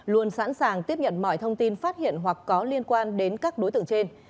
luôn sẵn sàng tiếp nhận mọi thông tin phát hiện hoặc có liên quan đến các đối tượng trên